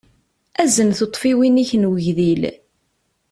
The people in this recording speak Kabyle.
Azen tuṭṭfiwin-ik n ugdil.